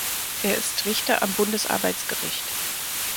Er ist Richter am Bundesarbeitsgericht.